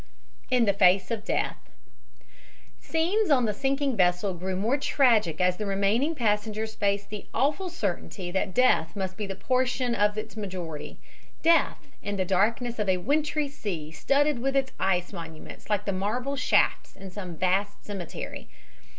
IN THE FACE OF DEATH Scenes on the sinking vessel grew more tragic as the remaining passengers faced the awful certainty that death must be the portion of the majority, death in the darkness of a wintry sea studded with its ice monuments like the marble shafts in some vast cemetery.